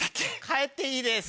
帰っていいです。